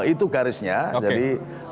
itu garisnya oke jadi